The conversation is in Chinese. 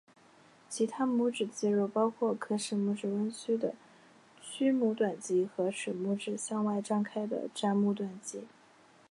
其他拇指肌肉包括可使拇指弯曲的屈拇短肌和使拇指向外张开的展拇短肌。